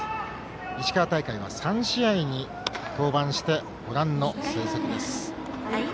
石川大会は３試合に登板してご覧の成績です。